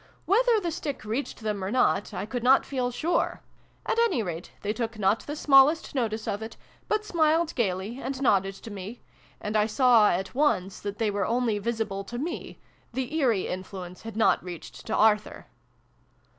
Whether the stick reached them, or not, I could not feel sure : at any rate they took not the smallest notice of it, but smiled gaily, and nodded to me ; and I saw at once that they were only visible to me : the ' eerie ' influence had not reached to Arthur.